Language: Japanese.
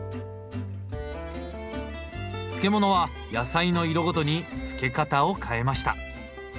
漬物は野菜の色ごとに漬け方を変えました。